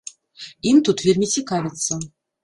Ім тут вельмі цікавяцца.